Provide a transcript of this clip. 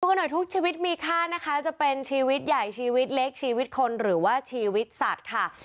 กันหน่อยทุกชีวิตมีค่านะคะจะเป็นชีวิตใหญ่ชีวิตเล็กชีวิตคนหรือว่าชีวิตสัตว์ค่ะ